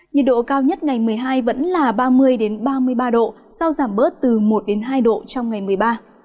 nhiệt độ cao nhất ngày một mươi hai vẫn là ba mươi ba mươi ba độ sau giảm bớt từ một hai độ trong ngày một mươi ba